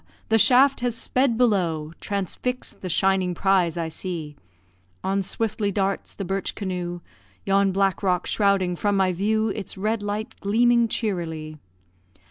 the shaft has sped below Transfix'd the shining prize I see; On swiftly darts the birch canoe; Yon black rock shrouding from my view Its red light gleaming cheerily!